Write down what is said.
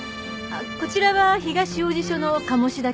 こちらは東王子署の鴨志田警部補です。